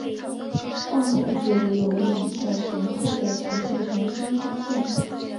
但不久有以小钱铺的形式重新出现。